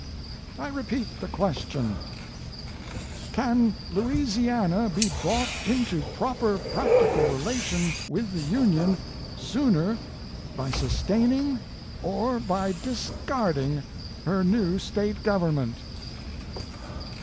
I repeat the question, "Can Louisiana be brought into proper practical relation with the Union sooner by sustaining or by discarding her new State Government?